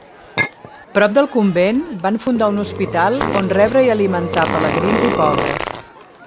Prop del convent, van fundar un hospital on rebre i alimentar pelegrins i pobres.